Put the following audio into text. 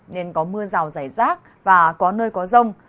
nên có mưa rào rải rác và có nơi có rông